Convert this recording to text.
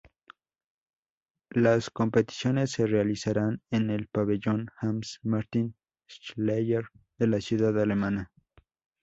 Las competiciones se realizarán en el Pabellón Hanns Martin Schleyer de la ciudad alemana.